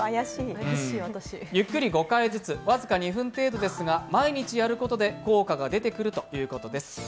ゆっくり５回ずつ、僅か２分程度ですが毎日やることで効果が出てくるということです。